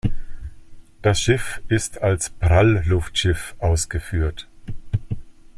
Das Schiff ist als Prallluftschiff ausgeführt.